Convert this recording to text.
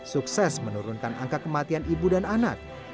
sukses menurunkan angka kematian ibu dan anak